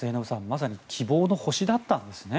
まさに希望の星だったんですね。